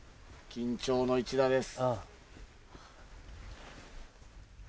緊張の一打です。